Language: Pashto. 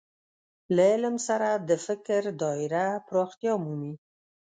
له علم سره د فکر دايره پراختیا مومي.